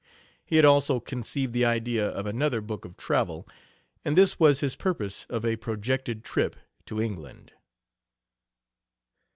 He had also conceived the idea of another book of travel, and this was his purpose of a projected trip to England.